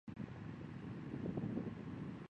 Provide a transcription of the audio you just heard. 播放时间通常是上学前及放学后。